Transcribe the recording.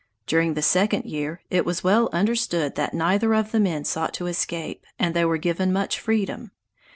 During the second year, it was well understood that neither of the men sought to escape, and they were given much freedom.